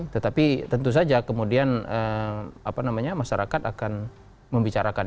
tetapi tentu saja kemudian apa namanya masyarakat akan membicarakan